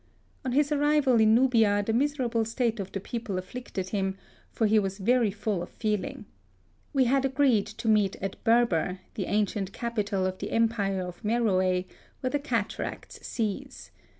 On his arrival in Nubia the miserable state of the people afflicted him, for he was very full of feeling. We had agreed to meet at Berber, the ancient capital of the empire of Meroe, where the cataracts cease.